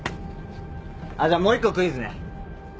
あっじゃあもう一個クイズね。